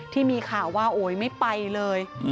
ที่มีข่าวว่าโอ๊ยไม่ไปเลย